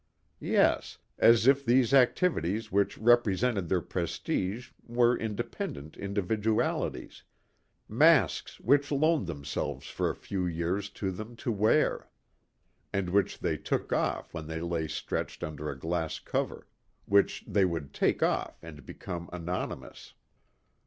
Yes, as if these activities which represented their prestige were independent individualities masks which loaned themselves for a few years to them to wear. And which they took off when they lay stretched under a glass cover. Which they would take off and become anonymous.